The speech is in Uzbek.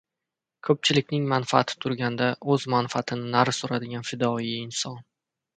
Ko‘pchilikning manfaati turganda o‘z manfaatini nari suradigan fidoyi inson.